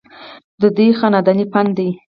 ددوي خانداني فن دے